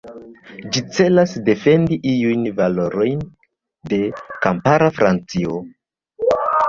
Ĝi celas defendi iujn valorojn de kampara Francio.